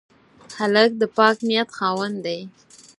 هلک د پاک نیت خاوند دی.